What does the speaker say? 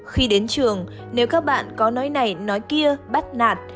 khi đến trường nếu các bạn có nói này nói kia bắt nạt